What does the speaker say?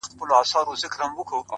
له هرې ميکدې په خدای پامان وځي!!